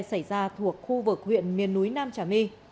xảy ra thuộc khu vực huyện miền núi nam trà my